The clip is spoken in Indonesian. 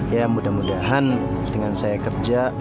ya mudah mudahan dengan saya kerja